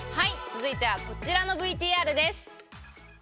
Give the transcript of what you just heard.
続いてはこちらのＶＴＲです。